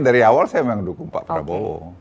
dari awal saya mendukung pak prabowo